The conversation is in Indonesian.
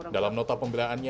dalam nota pembelaannya